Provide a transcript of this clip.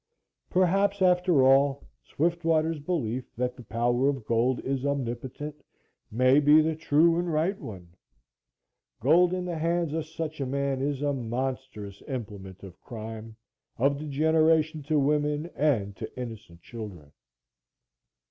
Perhaps, after all, Swiftwater's belief that the power of gold is omnipotent, may be the true and right one. Gold in the hands of such a man is a monstrous implement of crime, of degeneration to women and to innocent children.